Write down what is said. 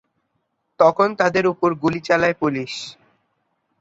তখন তাদের উপর গুলি চালায় পুলিশ।